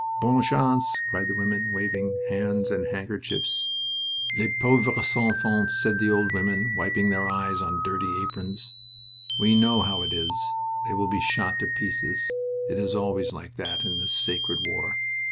"Bonne chance!" cried the women, waving hands and handkerchiefs. "Les pauvres enfants!" said the old women, wiping their eyes on dirty aprons. "We know how it is. They will be shot to pieces. It is always like that, in this sacred war.